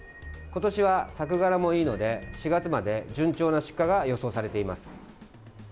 今年は作柄もいいので４月まで順調な出荷が予想されています。